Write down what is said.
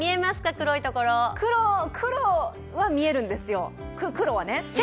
黒黒は見えるんですよ。